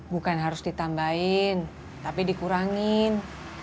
bukan harus ditambahin tapi dikurangin